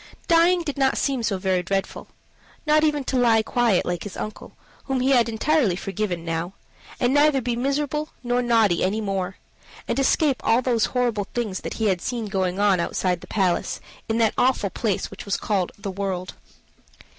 Dying did not seem so very dreadful; not even to lie quiet like his uncle, whom he had entirely forgiven now, and neither be miserable nor naughty any more, and escape all those horrible things that he had seen going on outside the palace, in that awful place which was called "the world."